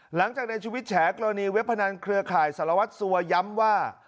หลังจากในชีวิตแฉกรณีเว็บพนันเครือข่ายสารวัตรสัวย้ำว่า